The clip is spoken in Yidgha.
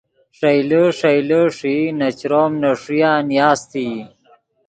ݰئیلے ݰئیلے ݰئی نے چروم نے ݰویہ نیاستئی